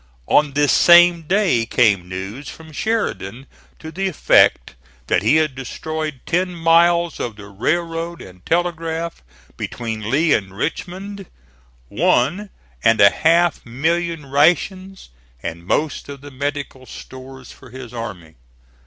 On this same day came news from Sheridan to the effect that he had destroyed ten miles of the railroad and telegraph between Lee and Richmond, one and a half million rations, and most of the medical stores for his army.